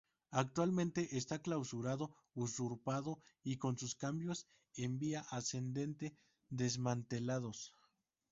Actualmente está clausurado, usurpado y con sus cambios en vía ascendente desmantelados.